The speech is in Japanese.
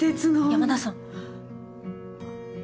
山田さん。